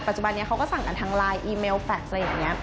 จุบันนี้เขาก็สั่งกันทางไลน์อีเมลแฟลต์อะไรอย่างนี้